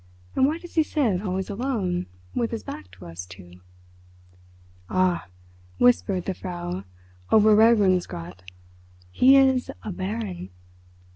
"And why does he sit always alone, with his back to us, too?" "Ah!" whispered the Frau Oberregierungsrat, "he is a Baron."